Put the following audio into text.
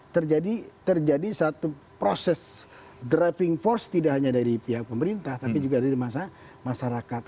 terjadi satu proses driving force tidak hanya dari pihak pemerintah tapi juga dari masyarakat